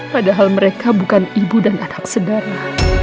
padahal mereka bukan ibu dan anak sedarna